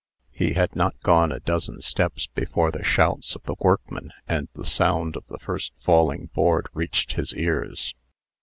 He had not gone a dozen steps, before the shouts of the workmen and the sound of the first falling board reached his ears.